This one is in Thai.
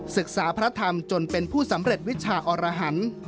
ศึกษาพระธรรมจนเป็นผู้สำเร็จวิชาอรหันต์